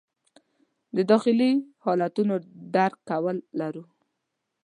د داخلي حالتونو درک کول لرو.